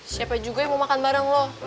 siapa juga yang mau makan bareng loh